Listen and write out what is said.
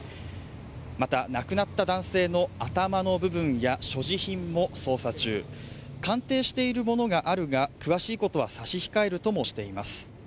また亡くなった男性の頭の部分や所持品も捜査中、鑑定しているものがあるが詳しいことは差し控えるともしています。